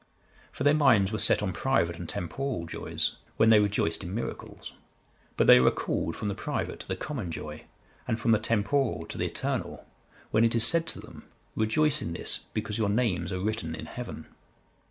'(134) For their minds were set on private and temporal joys, when they rejoiced in miracles; but they are recalled from the private to the common joy, and from the temporal to the eternal, when it is said to them, 'Rejoice in this, because your names are written in heaven.